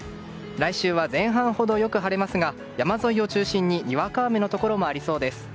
来週は前半ほどよく晴れますが山沿いを中心ににわか雨のところもありそうです。